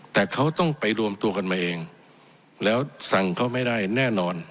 แต่เขาต้องไปรวมตัวกันมาเองแล้วสั่งเขาไม่ได้แน่นอน